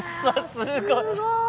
すごい。